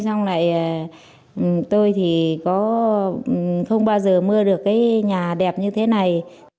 xong lại tôi thì có không bao giờ mưa được cái nhà đẹp như thế này